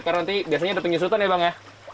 karena nanti biasanya ada penyusutan ya bang ya